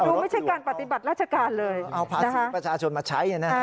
ไม่ใช่การปฏิบัติราชการเลยเอาภาษีประชาชนมาใช้